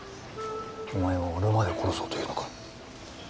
お前は俺まで殺そうというのか。